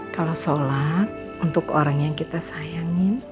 kalau sholat untuk orang yang kita sayangin